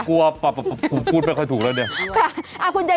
กลัวผมพูดไม่ค่อยถูกแล้วเนี่ย